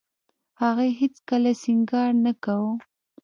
هغې هېڅ کله سينګار نه کاوه.